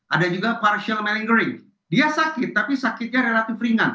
ada juga partial melingering dia sakit tapi sakitnya relatif ringan